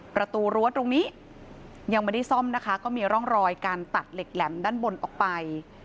ประตูรั้วตรงนี้ยังไม่ได้ซ่อมนะคะก็มีร่องรอยการตัดเหล็กแหลมด้านบนออกไป